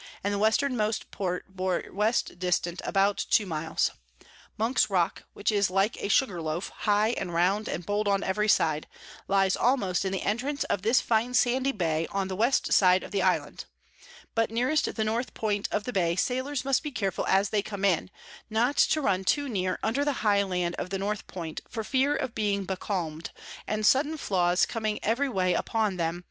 and the Westermost Point bore West dist. about two miles: Monk's Rock, which is like a Sugar Loaf, high and round, and bold on every side, lies almost in the Entrance of this fine sandy Bay on the West side of the Island: But nearest the North Point of the Bay, Sailors must be careful as they come in, not to run too near under the high Land of the North Point, for fear of being becalm'd, and sudden Flaws coming every way upon 'em.